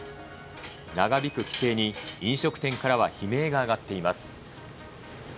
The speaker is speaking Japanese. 長引く規制に飲食店からは悲鳴が上がっています。